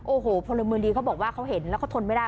โอ้โหพลเมืองดีเขาบอกว่าเขาเห็นแล้วเขาทนไม่ได้